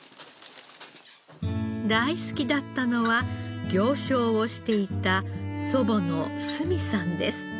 大好きだったのは行商をしていた祖母のすみさんです。